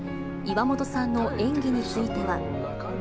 岩本さんの演技については。